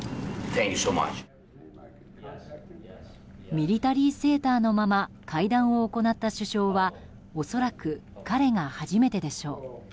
ミリタリーセーターのまま会談を行った首相は恐らく彼が初めてでしょう。